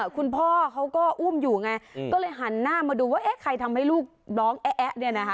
คุณพ่อเขาก็อุ้มอยู่ไงก็เลยหันหน้ามาดูว่าเอ๊ะใครทำให้ลูกร้องเอ๊ะเนี่ยนะคะ